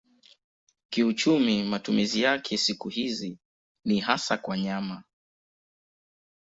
Kiuchumi matumizi yake siku hizi ni hasa kwa nyama.